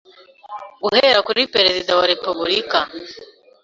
guhera kuri Perezida wa Repubulika